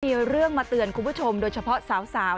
มีเรื่องมาเตือนคุณผู้ชมโดยเฉพาะสาว